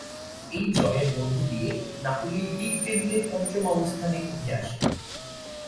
এই জয়ের মধ্য দিয়ে নাপোলি লীগ টেবিলে পঞ্চম অবস্থানে উঠে আসে।